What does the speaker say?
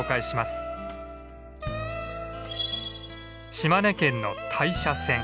島根県の大社線。